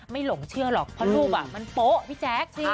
ไม่หลงเชื่อหรอกเพราะรูปอะมันโป๊ะพี่แจ๊คจริง